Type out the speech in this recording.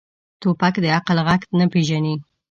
توپک د عقل غږ نه پېژني.